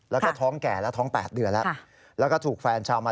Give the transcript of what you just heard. แล้วก็ท้องแก่แล้วท้อง๘เดือนแล้ว